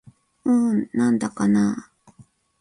うーん、なんだかなぁ